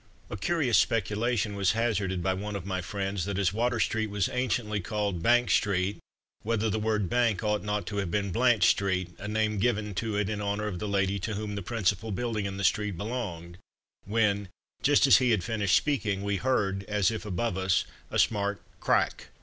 A curious speculation was hazarded by one of my friend's that as Water street was anciently called "Bank street," whether the word "Bank" ought not to have been "Blanche" street; a name given to it in honour of the lady to whom the principal building in the street belonged, when, just as he had finished speaking, we heard, as if above us, a smart crack.